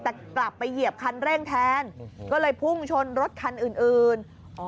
แต่กลับไปเหยียบคันเร่งแทนก็เลยพุ่งชนรถคันอื่น